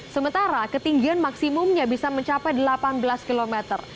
sementara ketinggian maksimumnya bisa mencapai delapan belas km